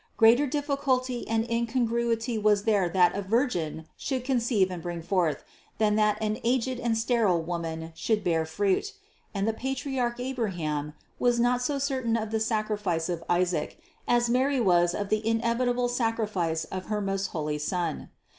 Greater difficulty and incongruity was there that a virgin should conceive and bring forth, than that an aged and sterile woman should bear fruit ; and the patriarch Abraham was not so certain of the sacrifice of Isaac, as Mary was of the inevitable sacrifice of her most holy Son.